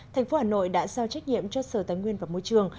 tp hà nội đã giao trách nhiệm cho sở tài nguyên và môi trường